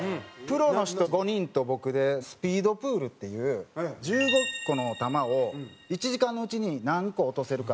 プロの人５人と僕でスピードプールっていう１５個の球を１時間のうちに何個落とせるかっていうので。